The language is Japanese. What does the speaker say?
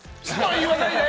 言わないで！